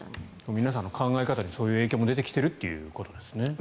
皆さんの考え方にそういう影響も出てきているってことですね。